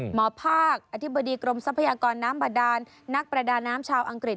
หมอภาคอธิบดีกรมทรัพยากรน้ำบาดานนักประดาน้ำชาวอังกฤษ